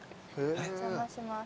お邪魔します。